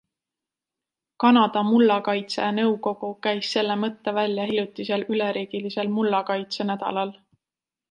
Kanada mullakaitse nõukogu käis selle mõtte välja hiljutisel üleriigilisel mullakaitse nädalal.